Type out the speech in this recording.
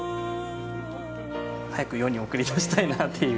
早く世に送り出したいなっていう。